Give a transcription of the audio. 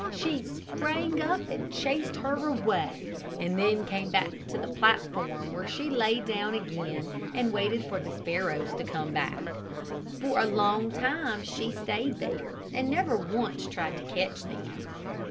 She sprang up and chased her away, and then came back to the platform, where she lay down again and waited for the sparrows to come back. For a long time she stayed there, and never once tried to catch them.